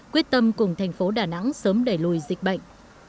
quyết tâm cùng thành phố đà nẵng sớm đẩy lùi dịch bệnh